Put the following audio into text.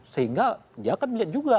sehingga dia kan melihat juga